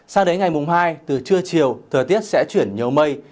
sang đến ngày mùng hai từ trưa chiều thời tiết sẽ chuyển nhớ mây